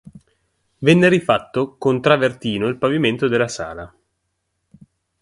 Venne rifatto con travertino il pavimento della sala.